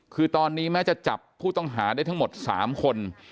คือตอนนี้แม้จะจับผู้ต้องหาได้ทั้งหมด๓คน